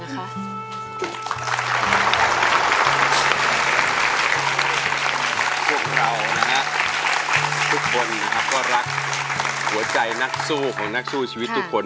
พวกเรานะฮะทุกคนนะครับก็รักหัวใจนักสู้ของนักสู้ชีวิตทุกคน